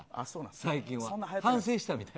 最近は反省したみたい。